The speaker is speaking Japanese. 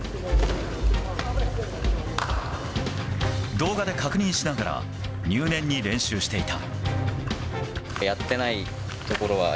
動画で確認しながら入念に練習していた。